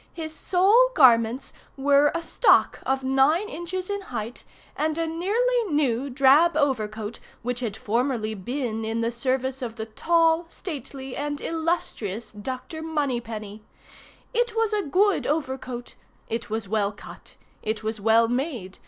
His sole garments were a stock of nine inches in height, and a nearly new drab overcoat which had formerly been in the service of the tall, stately, and illustrious Dr. Moneypenny. It was a good overcoat. It was well cut. It was well made.